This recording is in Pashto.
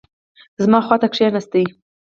زما خوا ته کښېناست.